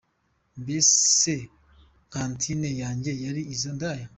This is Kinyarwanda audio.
mbese kantine yanjye yari izo ndaya.